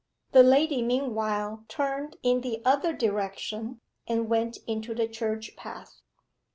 The lady meanwhile turned in the other direction, and went into the church path.